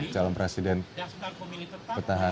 calon presiden petahana